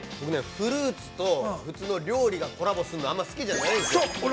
◆フルーツと料理がコラボするのは、あんまり好きじゃないんですよ。